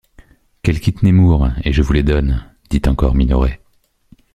Qu’elle quitte Nemours, et je vous les donne! dit encore Minoret.